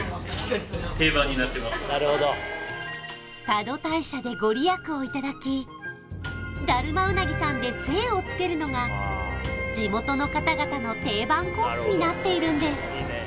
多度大社で御利益をいただきだるまうなぎさんで精をつけるのが地元の方々の定番コースになっているんです